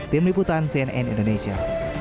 tim liputan cnn indonesia